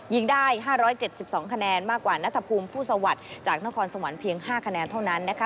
ยิงได้๕๗๒คะแนนมากกว่านัทภูมิผู้สวัสดิ์จากนครสวรรค์เพียง๕คะแนนเท่านั้นนะคะ